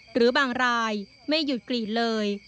หรือบางรายไม่หยุดกรีดเลย